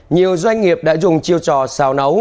nhiều doanh nghiệp đã dùng chiêu trò xào nấu